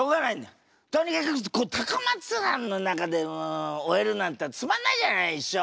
とにかく高松藩の中で終えるなんてつまんないじゃない一生。